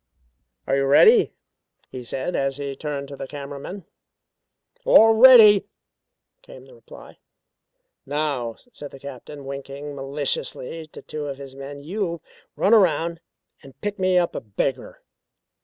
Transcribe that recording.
"Are you ready?" he said as he turned to the camera men. "All ready," came the reply. "Now," said the Captain winking maliciously to two of his men. "You run around and pick me up a beggar."